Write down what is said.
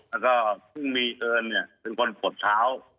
แล้วก็ผู้มีเอิญเนี่ยเป็นคนปลดเช้า